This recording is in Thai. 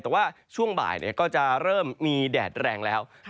แต่ว่าช่วงบ่ายก็จะเริ่มมีแดดแรงแล้ว